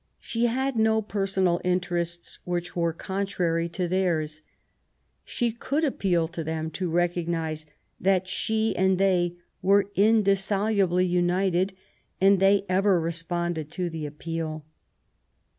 She had no personal interests which were contrary to theirs. She could appeal to 236 QUEEN ELIZABETH. them to recognise that she and they were indissolubly united, and they ever responded to the appeal.